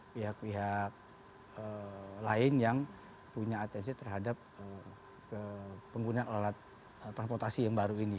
pihak pihak lain yang punya atensi terhadap penggunaan alat transportasi yang baru ini